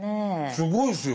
すごいですよ。